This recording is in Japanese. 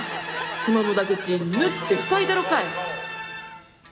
その無駄口縫って塞いだろかい！